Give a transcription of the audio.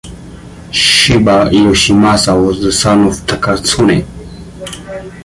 Shiba Yoshimasa was the son of Takatsune.